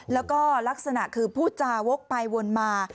แล้วก็ลักษณะคือพูดจาวกไปวนมา